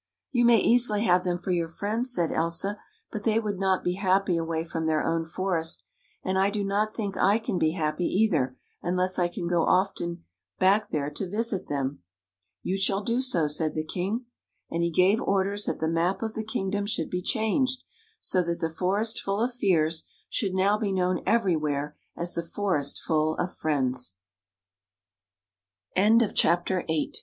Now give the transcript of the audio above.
"You may easily have them for your friends," said Elsa, " but they would not be happy away from their own forest. And I do not think I can be happy, either', unless I can often go back there to visit them." "You shall do so," said the king. And he gave orders that the map of the kingdom should be changed, so that the Forest Full of Fears should now be known everywhere as th